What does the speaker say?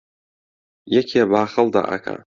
یەکێ باخەڵ دائەکا